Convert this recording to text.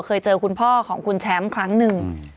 เคยเจอคุณพ่อของคุณแชมป์ครั้งหนึ่ง